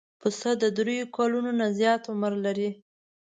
پسه د درېیو کلونو نه زیات عمر لري.